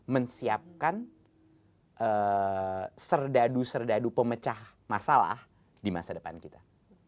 menyiapkan serdadu serdadu pemecah masalah di masa depan kita